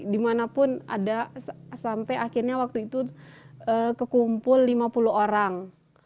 dimanapun ada sampai akhirnya waktu itu kekumpul lima puluh orang